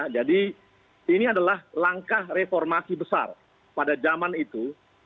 jadi ini adalah langkah reformasi besar pada zaman itu